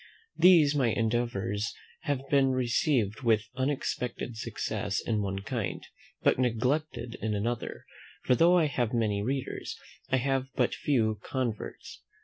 These my endeavours have been received with unexpected success in one kind, but neglected in another; for though I have many readers, I have but few converts.